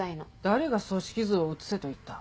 誰が組織図を写せと言った？